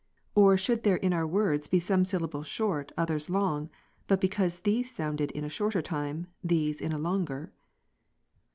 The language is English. Or, should there in our words be some syllables short, others long, but because those sounded in a shorter time, these in a longer